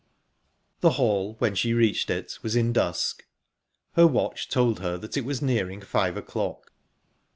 The hall, when she reached it, was in dusk. Her watch told her it that it was nearing five o'clock.